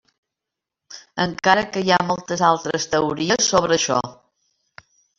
Encara que hi ha moltes altres teories sobre això.